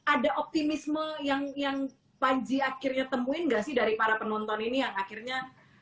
ada optimisme yang panji akhirnya temuin gak sih dari para penonton ini yang akhirnya